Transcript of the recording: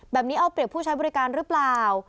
แบบนี้เอาเปรียบผู้ใช้บริการหรือเปล่า